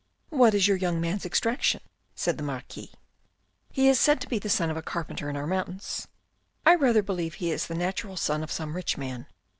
" What is your young man's extraction ?" said the Marquis. " He is said to be the son of a carpenter in our mountains. I rath er believe he is the natural son of some rich man.